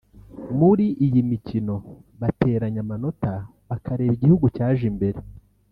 muri iyi mikino bateranya amanota bakareba igihugu cyaje imbere